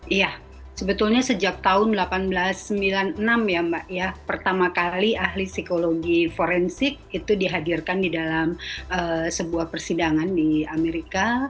iya sebetulnya sejak tahun seribu delapan ratus sembilan puluh enam ya mbak ya pertama kali ahli psikologi forensik itu dihadirkan di dalam sebuah persidangan di amerika